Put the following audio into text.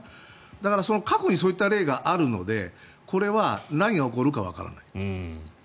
だから過去にそういった例があるのでこれは何が起こるかわからない。